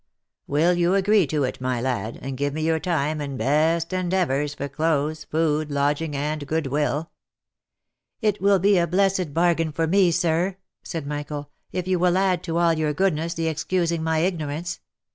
Will you agree to it, my lad, and give me your time and best endeavours for clothes, food, lodging, and good will w " It will be a blessed bargain for me, sir," said Michael, " if you will add to all Jyour goodness the excusing my ignorance.